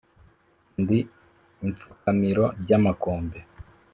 Ndi ipfukamiro ry’amakombe